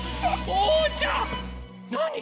おうちゃんなに？